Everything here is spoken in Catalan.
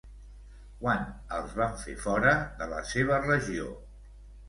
Quan els van fer fora de la seva regió?